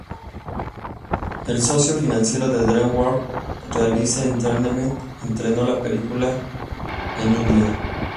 El socio financiero de DreamWorks, Reliance Entertainment, estrenó la película en India.